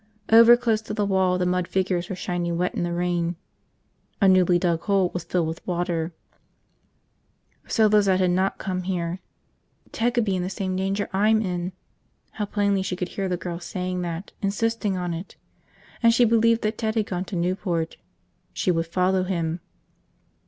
Over close to the wall the mud figures were shiny wet in the rain. A newly dug hole was filling with water. So Lizette had not come here. Ted could be in the same danger I'm in, how plainly she could hear the girl saying that, insisting on it. And she believed that Ted had gone to Newport. She would follow him.